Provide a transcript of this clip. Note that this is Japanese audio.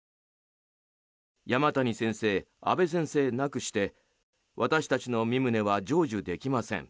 山谷先生、安倍先生なくして私たちのみ旨は成就できません。